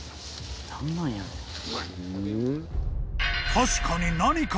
［確かに］